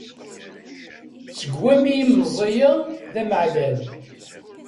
Seg wami i meẓẓiyeɣ, d amaɛlal.